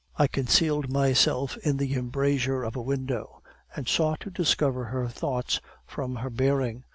I concealed myself in the embrasure of a window, and sought to discover her thoughts from her bearing.